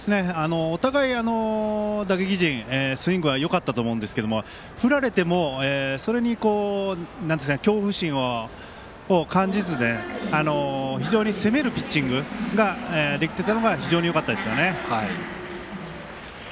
お互い打撃陣スイングはよかったと思うんですけども振られてもそれに恐怖心を感じず非常に攻めるピッチングができていたのが非常によかったですよね。